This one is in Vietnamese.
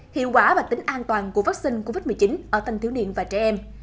hiệu quả và tính an toàn của vaccine covid một mươi chín ở thanh thiếu niên và trẻ em